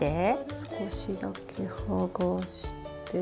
少しだけはがして。